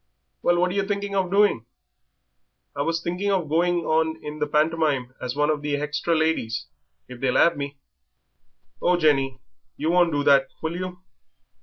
"Well, what are yer thinking of doing?" "I was thinking of going on in the pantomime as one of the hextra ladies, if they'll 'ave me." "Oh, Jenny, you won't do that, will you?